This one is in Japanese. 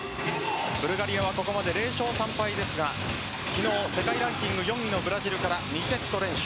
ブルガリアはここまで０勝３敗ですが昨日、世界ランキング４位のブラジルから２セット連取。